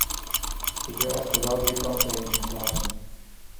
Ik wil echter wel drie kanttekeningen plaatsen.